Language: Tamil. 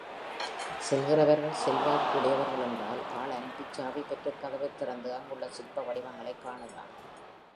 செல்கிறவர்கள் செல்வாக்கு உடையவர்கள் என்றால் ஆள் அனுப்பிச் சாவி பெற்றுக் கதவைத் திறந்து அங்குள்ள சிற்ப வடிவங்களைக் காணலாம்.